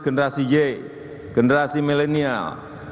generasi y generasi milenial